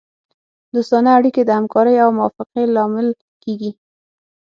دوستانه اړیکې د همکارۍ او موافقې لامل کیږي